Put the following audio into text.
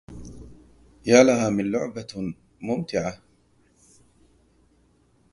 يا لها من لعبة ممتعة